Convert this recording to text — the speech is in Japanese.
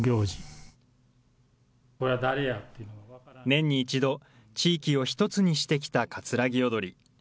年に一度、地域を一つにしてきた葛城踊り。